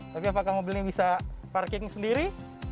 tapi apakah mobil ini bisa parking sendiri